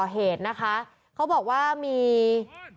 เพราะถูกทำร้ายเหมือนการบาดเจ็บเนื้อตัวมีแผลถลอก